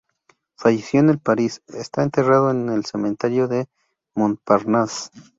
Fallecido el en París, está enterrado en el cementerio de Montparnasse.